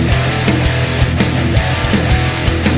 ขอบคุณทุกคน